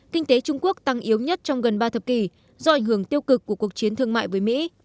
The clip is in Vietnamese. kinh tế trung quốc tăng yếu nhất trong gần ba thập kỷ do ảnh hưởng tiêu cực của cuộc chiến thương mại với mỹ